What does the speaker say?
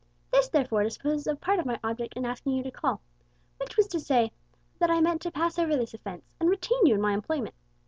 This therefore disposes of part of my object in asking you to call which was to say that I meant to pass over this offence and retain you in my employment.